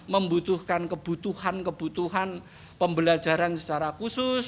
membutuhkan kebutuhan kebutuhan pembelajaran secara khusus